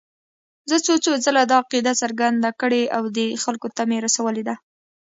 زه څو څو ځله دا عقیده څرګنده کړې او خلکو ته مې رسولې ده.